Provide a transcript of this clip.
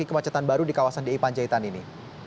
kemacetan baru di kawasan daerah ipan jahitan ini